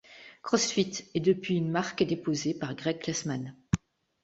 CrossFit est depuis une marque déposée par Greg Glassman.